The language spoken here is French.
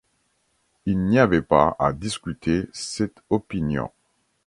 Il n’y avait pas à discuter cette opinion.